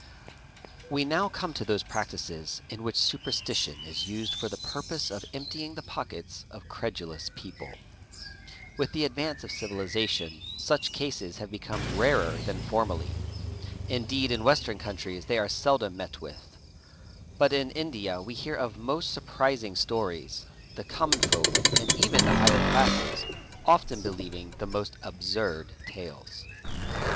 We now come to those practices in which superstition is used for the purpose of emptying the pockets of credulous people. With the advance of civilization such cases have become rarer than formerly, indeed — in Western countries they are seldom met with; but in India we hear — of most surprising stories, the common folk and even the higher classes — often believing the most absurd tales.